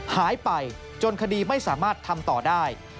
หายไปจนคดีไม่สามารถทำต่อได้